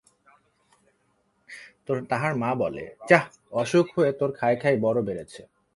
তাহার মা বলে, যাঃ, অসুখ হয়ে তোর খাই খাই বড় বেড়েছে।